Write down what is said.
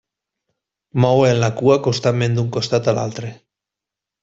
Mouen la cua constantment d'un costat a l'altre.